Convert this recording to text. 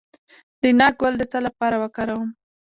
د ناک ګل د څه لپاره وکاروم؟